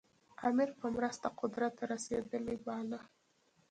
امیر په مرسته قدرت ته رسېدلی باله.